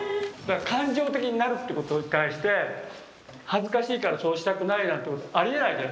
感情的になるってことに対して恥ずかしいからそうしたくないなんてありえないじゃん